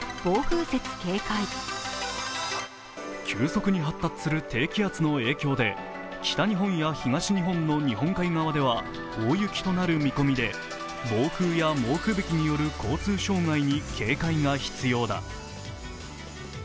急速に発達する低気圧の影響で北日本や東日本の日本海側では大雪とる見込みで暴風や猛吹雪による交通障害に警戒が必要だ。